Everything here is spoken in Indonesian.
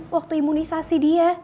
waktu imunisasi dia